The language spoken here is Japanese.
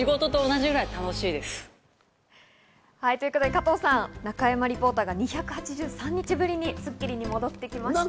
加藤さん、中山リポーターが２８３日ぶりに『スッキリ』に戻ってきました。